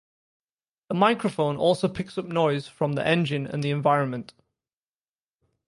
The microphone also picks up noise from the engine and the environment.